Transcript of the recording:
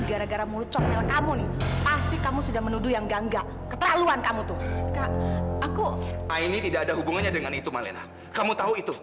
aini tidak ada hubungannya dengan itu malena kamu tahu itu